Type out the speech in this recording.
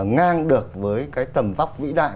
ngang được với cái tầm vóc vĩ đại